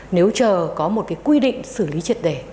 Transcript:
nếu chờ có một cái quy định xử lý triệt đề